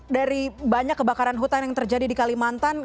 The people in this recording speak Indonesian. dari banyak kebakaran hutan yang terjadi di kalimantan